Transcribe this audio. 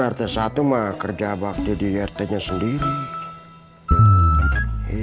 rt satu mah kerja baktidik rt nya sendiri